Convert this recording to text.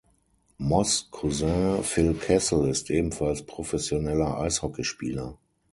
Moss’ Cousin Phil Kessel ist ebenfalls professioneller Eishockeyspieler.